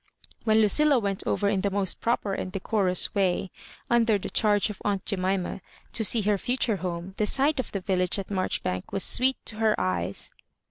When Lucilla went over in the most proper and decorous way, under the diarge of aunt Jemima^ to see her future home, the sight of the village at Marchbank was sweet to her eyes.